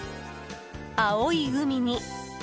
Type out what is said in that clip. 青い海に。